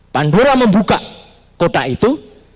pandora membuka kota itu